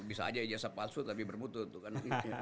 bisa aja ijazah palsu tapi berbutuh tuh kan